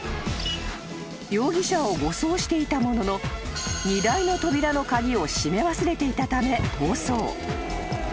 ［容疑者を護送していたものの荷台の扉の鍵を閉め忘れていたため逃走］